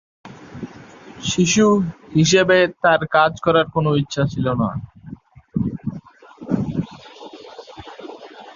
শিশু হিসাবে, তার কাজ করার কোন ইচ্ছা ছিল না।